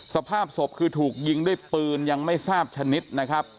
สภาพศพคือถูกยิงด้วยปืนยังไม่ทราบชนิดนะครับ